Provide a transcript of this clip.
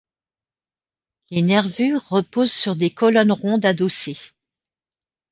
Les nervures reposent sur des colonnes rondes adossées.